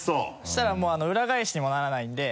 したらもう裏返しにもならないんで。